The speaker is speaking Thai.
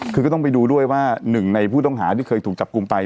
คือก็ต้องไปดูด้วยว่าหนึ่งในผู้ต้องหาที่เคยถูกจับกลุ่มไป